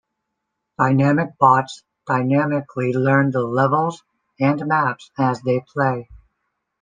Dynamic bots, dynamically learn the levels and maps as they play.